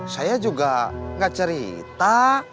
saya juga gak cerita